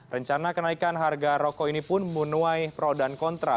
rencana kenaikan harga rokok ini pun menuai pro dan kontra